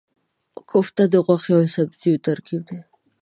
کوفته د غوښې او سبزي ترکیب دی.